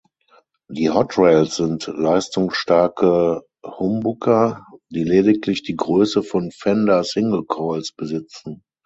Die „Hot Rails“ sind leistungsstarke Humbucker, die lediglich die Größe von Fender-Singlecoils besitzen.